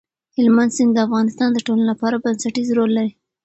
هلمند سیند د افغانستان د ټولنې لپاره بنسټيز رول لري.